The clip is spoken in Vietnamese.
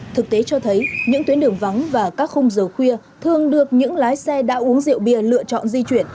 thực tế cho thấy những tuyến đường vắng và các khung giờ khuya thường được những lái xe đã uống rượu bia lựa chọn di chuyển